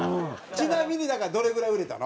ちなみにどれぐらい売れたの？